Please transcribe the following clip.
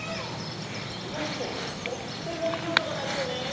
うごくととってもいいおとがなるよね。